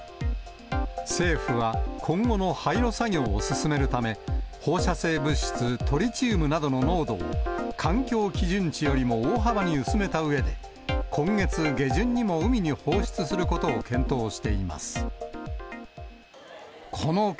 政府は今後の廃炉作業を進めるため、放射性物質、トリチウムなどの濃度を、環境基準値よりも大幅に薄めたうえで、今月下旬にも海に放出することを検討しています。